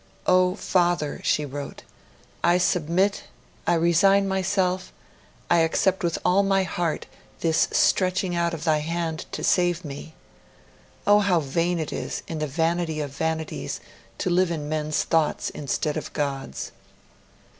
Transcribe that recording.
'Oh Father,' she wrote, 'I submit, I resign myself, I accept with all my heart, this stretching out of Thy hand to save me.... Oh how vain it is, the vanity of vanities, to live in men's thoughts instead of God's!'